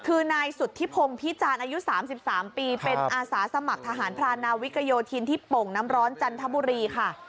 คือนายสุดที่พรุ่งพิจารณ์อายุสามสิบสามปีเป็นอาสาสมัครทหารพระอาณาวิกโยชินที่ป๋งน้ำร้อนจันทบุรีค่ะ